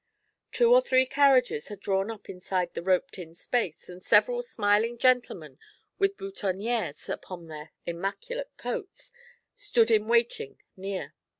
Two or three carriages had drawn up inside the roped in space, and several smiling gentlemen with boutonnières upon their immaculate coats stood in waiting near.